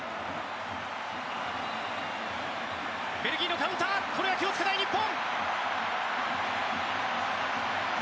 ベルギーのカウンター気を付けたい日本。